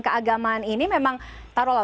keagamaan ini memang taruhlah